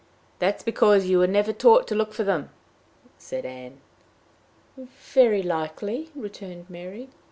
"That's because you were never taught to look for them," said Ann. "Very likely," returned Mary.